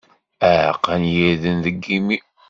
Aɛeqqa n yirden deg yimi.